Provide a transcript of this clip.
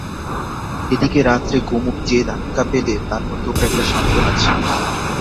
এ দিকে রাত্রে কুমু যে ধাক্কা পেলে তার মধ্যে ওর একটা সান্ত্বনা ছিল।